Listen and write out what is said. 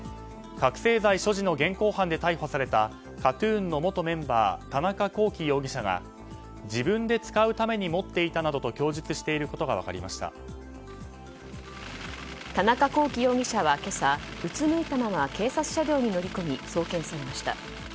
覚醒剤所持の現行犯で逮捕されたＫＡＴ‐ＴＵＮの元メンバー田中聖容疑者が自分で使うために持っていたなどと田中聖容疑者は今朝うつむいたまま警察車両に乗り込み送検されました。